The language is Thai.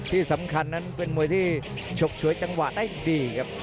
ที่สำคัญนั้นเป็นมวยที่ชกฉวยจังหวะได้ดีครับ